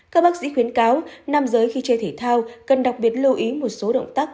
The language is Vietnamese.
các bác sĩ khuyến cáo nam giới khi chơi thể thao cần đặc biệt lưu ý một số động tác